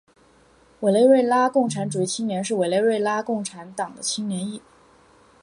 委内瑞拉共产主义青年是委内瑞拉共产党的青年翼。